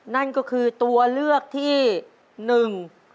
นั่นก็คือตัวเลือกที่หนึ่ง